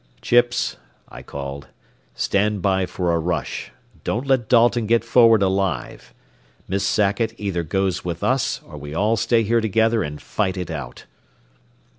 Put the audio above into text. "Chips," I called, "stand by for a rush. Don't let Dalton get forward alive. Miss Sackett either goes with us, or we all stay here together and fight it out."